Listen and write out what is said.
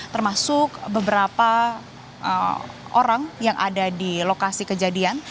termasuk beberapa orang yang ada di lokasi kejadian